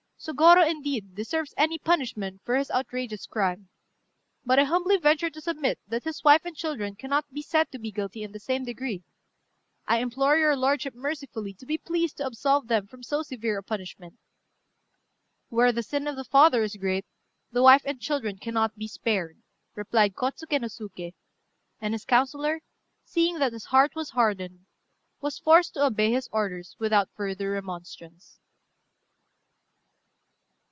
Sôgorô, indeed, deserves any punishment for his outrageous crime. But I humbly venture to submit that his wife and children cannot be said to be guilty in the same degree: I implore your lordship mercifully to be pleased to absolve them from so severe a punishment." "Where the sin of the father is great, the wife and children cannot be spared," replied Kôtsuké no Suké; and his councillor, seeing that his heart was hardened, was forced to obey his orders without further remonstrance.